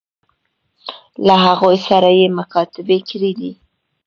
له هغوی سره یې مکاتبې کړي دي.